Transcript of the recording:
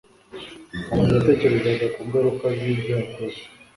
kamanzi yatekerezaga ku ngaruka zibyo yakoze